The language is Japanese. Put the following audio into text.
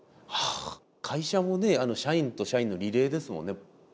会社も社員と社員のリレーですもんね。